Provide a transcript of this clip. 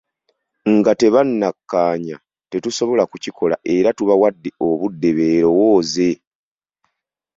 Nga tebannakkaanya tetusobola kukikola era tubawadde obudde beerowooze.